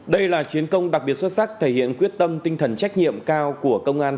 đây là chiến công đặc biệt xuất sắc thể hiện quyết tâm tinh thần trách nhiệm cao của công an